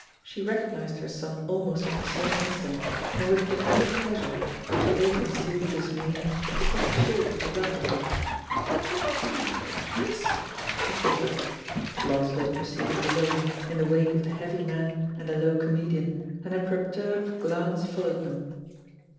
She recognised her son almost at the same instant, and with pretended pleasure^ 9?vrhich ill concealed dismay^ stopped short to wel come him. "Why, Chris?" she faltered. Lonsdale pro ceeded alone, in the wake of the heavy man and the low comedian, and her perturbed glance fol lowed them.